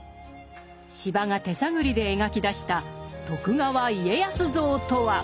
司馬が手探りで描き出した徳川家康像とは？